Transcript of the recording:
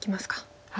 はい。